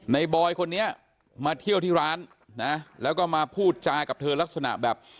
บอยคนนี้มาเที่ยวที่ร้านนะแล้วก็มาพูดจากับเธอลักษณะแบบ